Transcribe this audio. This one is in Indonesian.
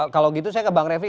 kalau gitu saya ke bang refli